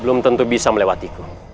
belum tentu bisa melewati